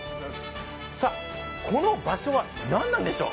この場所は何なんでしょう？